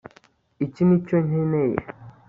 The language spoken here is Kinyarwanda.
iki nicyo nkeneye